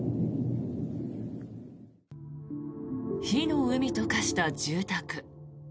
火の海と化した住宅。